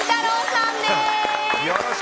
さんです。